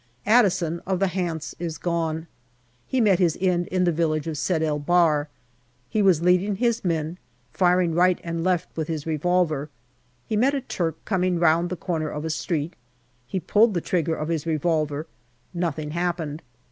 Addison, of the Hants, is gone ; he met his end in the village of Sed el Bahr. He was leading his men, firing right and left with his revolver. He met a Turk coming round the corner of a street ; he pulled the trigger of his revolver : nothing happened.